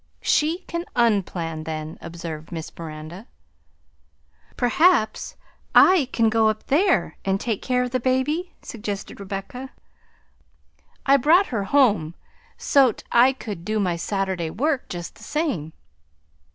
"She can un plan then," observed Miss Miranda. "Perhaps I can go up there and take care of the baby?" suggested Rebecca. "I brought her home so 't I could do my Saturday work just the same."